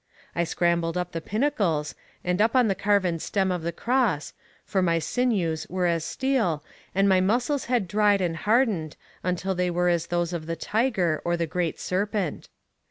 I scrambled up the pinnacles, and up on the carven stem of the cross, for my sinews were as steel, and my muscles had dried and hardened until they were as those of the tiger or the great serpent.